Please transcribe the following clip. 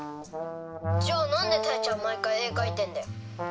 じゃあなんでたえちゃん毎回絵描いてんだよ。